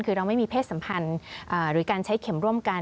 คือเราไม่มีเพศสัมพันธ์หรือการใช้เข็มร่วมกัน